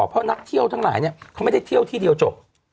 เพราะนักเที่ยวทั้งหลายเนี่ยเขาไม่ได้เที่ยวที่เดียวจบ